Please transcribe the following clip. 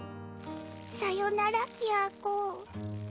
さよならやーこ。